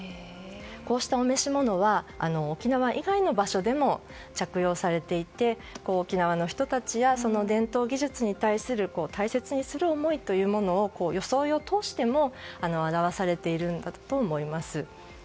こうしたお召し物は沖縄以外の場所でも着用されていて、沖縄の人たちやその伝統技術に対する大切にする思いというものを装いを通しても表されているんだと思います。